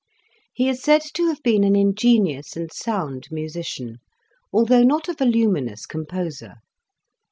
He is said to have been an ingenious and sound musician, although not a voluminous composer.